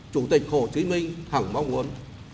chủ tịch hồ chí minh hẳn mong muốn